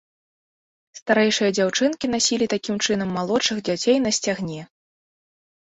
Старэйшыя дзяўчынкі насілі такім чынам малодшых дзяцей на сцягне.